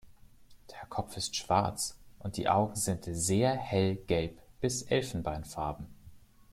Der Kopf ist schwarz und die Augen sind sehr hell gelb bis elfenbeinfarben.